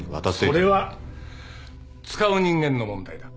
それは使う人間の問題だ。